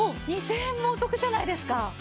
２０００円もお得じゃないですか！